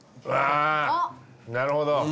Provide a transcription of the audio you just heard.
あぁなるほど。